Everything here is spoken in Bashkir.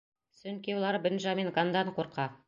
Сөнки улар Бенджамин Ганндан ҡурҡа...